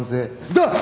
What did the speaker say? だっ！